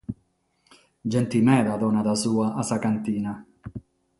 Gente meda donat s'ua a sa cantina.